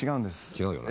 違うよね。